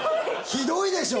ひどいでしょ？